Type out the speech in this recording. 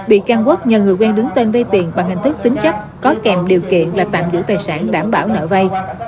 bị can quốc nhờ người quen đứng tên vây tiền bằng hành tức tính chấp có kèm điều kiện là tạm giữ tài sản đảm bảo nợ vây